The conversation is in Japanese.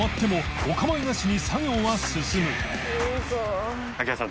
お構いなしに作業は進む高津戸さん）